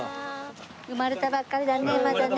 生まれたばっかりだねまだね。